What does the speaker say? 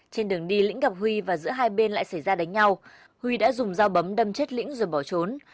trên đường đi lĩnh gặp huy và giữa hai bên lại xảy ra đánh nhau huy đã dùng dao bấm đâm chết lĩnh rồi bỏ trốn